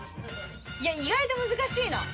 いや意外と難しいな。